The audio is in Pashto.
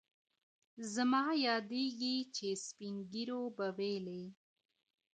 زما یادیږي چي سپین ږیرو به ویله